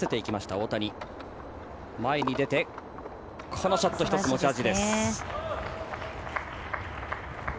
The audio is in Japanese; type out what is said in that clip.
このショット１つ持ち味です。